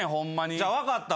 じゃあ分かった。